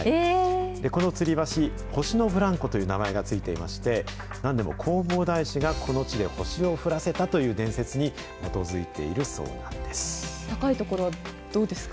このつり橋、星のブランコという名前が付いていまして、なんでも、弘法大師がこの地で星を降らせたという伝説に基づいているそうな高い所はどうですか？